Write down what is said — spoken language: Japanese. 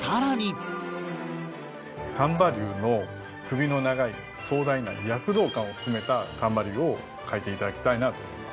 丹波竜の首の長い壮大な躍動感を含めた丹波竜を描いて頂きたいなと思います。